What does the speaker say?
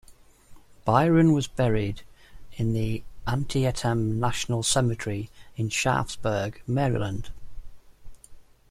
Byron was buried in the Antietam National Cemetery in Sharpsburg, Maryland.